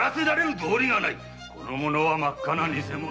この者は真っ赤な偽者。